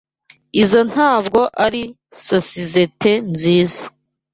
Izoi ntabwo ari sosizoete nziza.